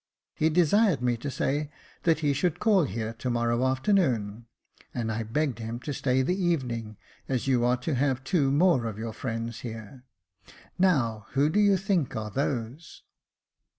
He desired me to say that he should call here to morrow after noon, and I begged him to stay the evening, as you are to have two more of your friends here. Now, who do you think are those